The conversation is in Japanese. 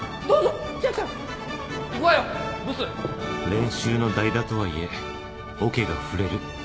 練習の代打とはいえオケが振れる。